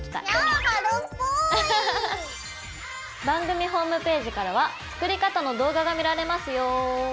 番組ホームページからは作り方の動画が見られますよ。